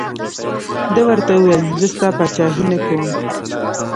ده ورته وویل زه ستا پاچهي نه کوم.